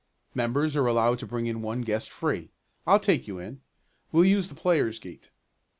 Members are allowed to bring in one guest free. I'll take you in. We'll use the players' gate."